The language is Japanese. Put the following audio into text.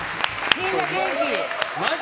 みんな、元気。